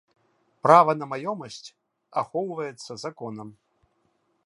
Права на маёмасць ахоўваецца законам.